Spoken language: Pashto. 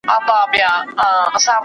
پښتونستانه څنګ به نه جوړېدې.